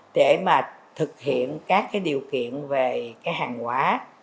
để thực hiện các điều kiện về hàng quả